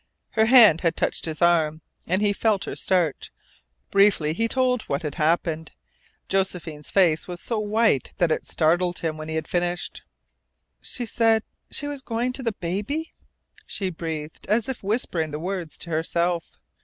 Her hand had touched his arm, and he felt her start. Briefly he told what had happened. Josephine's face was so white that it startled him when he had finished. "She said she was going to the baby!" she breathed, as if whispering the words to herself.